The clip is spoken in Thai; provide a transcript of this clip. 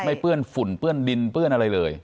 เปื้อนฝุ่นเปื้อนดินเปื้อนอะไรเลย